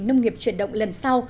nông nghiệp chuyển động lần sau